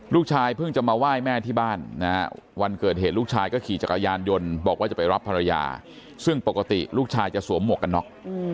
เพิ่งจะมาไหว้แม่ที่บ้านนะฮะวันเกิดเหตุลูกชายก็ขี่จักรยานยนต์บอกว่าจะไปรับภรรยาซึ่งปกติลูกชายจะสวมหมวกกันน็อก